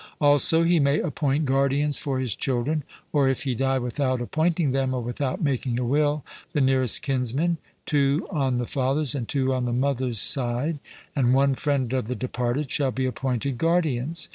Also he may appoint guardians for his children; or if he die without appointing them or without making a will, the nearest kinsmen, two on the father's and two on the mother's side, and one friend of the departed, shall be appointed guardians.